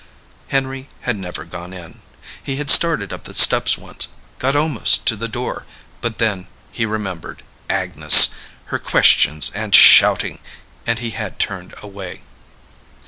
Henry had never gone in. He had started up the steps once, got almost to the door, but then he remembered Agnes, her questions and shouting, and he had turned away.